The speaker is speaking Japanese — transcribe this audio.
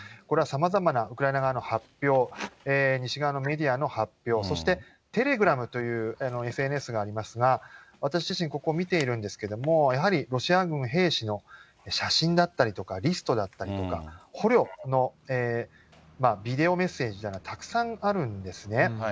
これはさまざまなウクライナ側の発表、西側のメディアの発表、そしてテレグラムというＳＮＳがありますが、私自身、ここ見ているんですけれども、やはりロシア軍兵士の写真だったりとかリストだったりとか、捕虜のビデオメッセージなどがたくさんあるんですね。